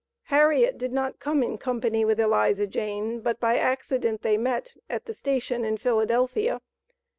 Harriet did not come in company with Eliza Jane, but by accident they met at the station in Philadelphia.